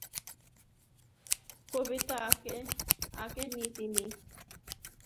কবিতা আঁকেন তিনি, ক্যানভাসে, কিংবা কাগজে, তেলরঙে, কালি-কলমে, চারকোলে এবং সেরিগ্রাফিতে।